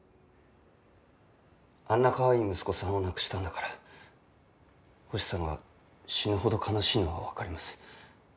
あんなかわいい息子さんを亡くしたんだから星さんが死ぬほど悲しいのはわかります。